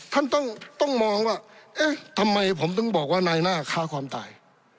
ท่านต้องมองว่าทำไมผมต้องบอกว่าในหน้าค้าความตาย